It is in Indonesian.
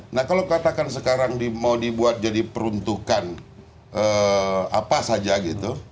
nah kalau katakan sekarang mau dibuat jadi peruntukan apa saja gitu